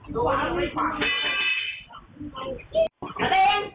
เดี๋ยวพากลิก